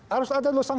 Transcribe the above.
harus ada lulusan